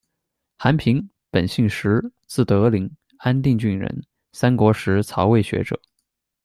寒贫，本姓石，字德林，安定郡人，三国时曹魏学者。